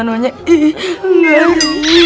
itu manunya ihh enggak ada yang ngeri